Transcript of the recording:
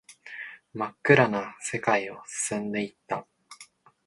真っ暗な世界を進んでいった